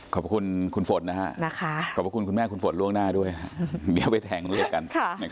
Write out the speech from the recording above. ขอบคุณคุณฝนขอบคุณคุณแม่คุณฝนล่วงหน้าด้วยนะเดี๋ยวไปแทงเรียกกัน